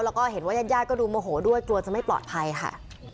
แล้วก็เห็นว่ายาดก็ดูโมโหด้วยกลัวจะไม่ปลอดภัยค่ะ